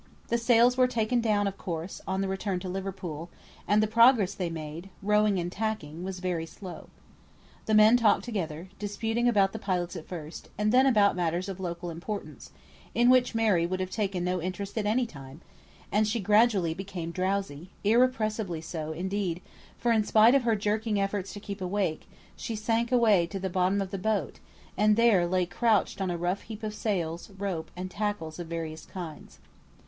The sails were taken down, of course, on the return to Liverpool, and the progress they made, rowing and tacking, was very slow. The men talked together, disputing about the pilots at first, and then about matters of local importance, in which Mary would have taken no interest at any time, and she gradually became drowsy; irrepressibly so, indeed, for in spite of her jerking efforts to keep awake she sank away to the bottom of the boat, and there lay couched on a rough heap of sails, rope, and tackle of various kinds.